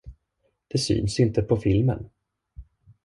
Det syns inte på filmen.